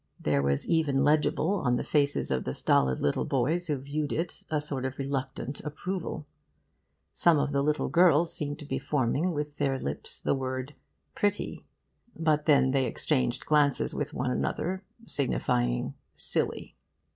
There was even legible on the faces of the stolid little boys who viewed it a sort of reluctant approval. Some of the little girls seemed to be forming with their lips the word 'pretty,' but then they exchanged glances with one another, signifying 'silly.